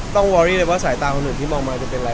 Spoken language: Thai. ต้องว่าสายตาคนอื่นมองมาจะเป็นอะไร